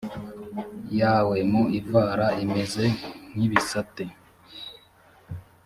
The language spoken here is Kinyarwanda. yawe mu ivara imeze nk ibisate